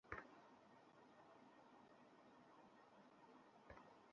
এটি ফিফার বিরুদ্ধে শ্রম-অধিকার নিয়ে বিশ্ব ফুটবলের নিয়ন্ত্রক সংস্থার বিরুদ্ধে প্রথম মামলা।